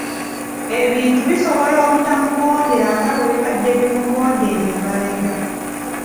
Ebintu bisobola obutamugondera nga bwe bibadde bimugondera emabega.